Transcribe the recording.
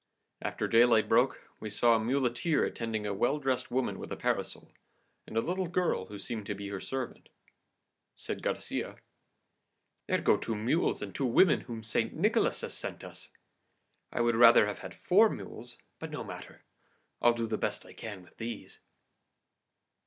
After daylight broke we saw a muleteer attending a well dressed woman with a parasol, and a little girl who seemed to be her servant. Said Garcia, 'There go two mules and two women whom St. Nicholas has sent us. I would rather have had four mules, but no matter. I'll do the best I can with these.